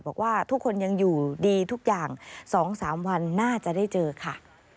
บอกว่าทุกคนยังอยู่ดีทุกอย่าง๒๓วันน่าจะได้เจอค่ะ